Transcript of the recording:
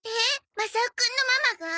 マサオくんのママが？